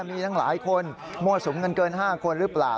มีทั้งหลายคนมั่วสุมกันเกิน๕คนหรือเปล่า